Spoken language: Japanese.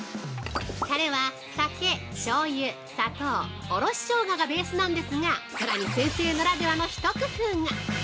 ◆タレは酒、しょうゆ、砂糖おろししょうががベースなんですがさらに先生ならではの一工夫が！